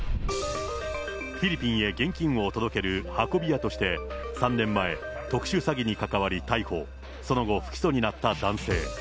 フィリピンへ現金を届ける運び屋として、３年前、特殊詐欺に関わり逮捕、その後、不起訴になった男性。